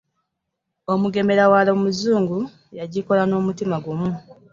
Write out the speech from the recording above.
Omugemerawala omuzungu yagikola n'omutima gumu!